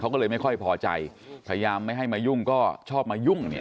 เขาก็เลยไม่ค่อยพอใจพยายามไม่ให้มายุ่งก็ชอบมายุ่งเนี่ย